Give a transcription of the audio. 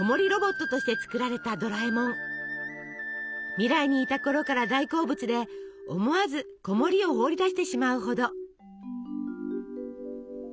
未来にいたころから大好物で思わず子守を放り出してしまうほど。